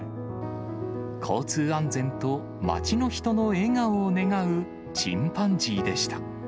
交通安全と町の人の笑顔を願うチンパンジーでした。